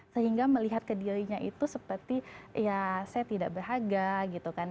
sehingga melihat ke dirinya itu seperti ya saya tidak berharga gitu kan